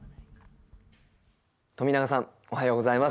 冨永さんおはようございます。